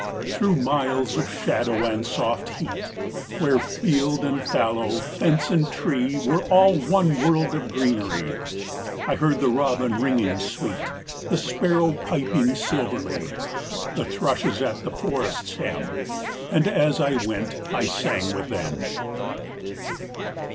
Through miles of shadow and soft heat, Where field and fallow, fence and tree, Were all one world of greenery, I heard the robin ringing sweet, The sparrow piping silverly, The thrushes at the forest's hem; And as I went I sang with them.